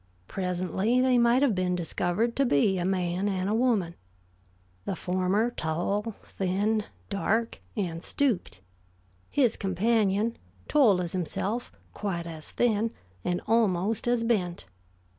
Presently they might have been discovered to be a man and a woman; the former tall, thin, dark and stooped; his companion, tall as himself, quite as thin, and almost as bent.